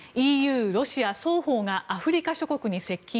ＥＵ、ロシア双方がアフリカ諸国に接近。